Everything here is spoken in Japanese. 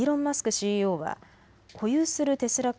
ＣＥＯは保有するテスラ株